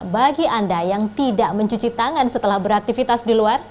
bagi anda yang tidak mencuci tangan setelah beraktivitas di luar